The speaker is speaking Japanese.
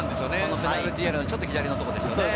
ペナルティーエリアのちょっと左のところです。